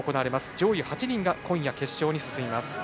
上位８人が今夜決勝に進みます。